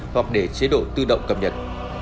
hoặc để chế độ tư động cập nhật